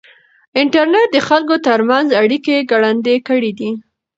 انټرنېټ د خلکو ترمنځ اړیکې ګړندۍ کړې دي.